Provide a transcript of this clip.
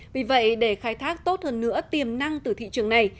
vì vậy để khai thác tốt hơn nữa tiềm năng từ thị trường này